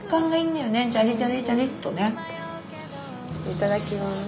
いただきます。